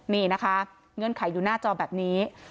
นี่นะคะเงื่อนไขอยู่หน้าจอแบบนี้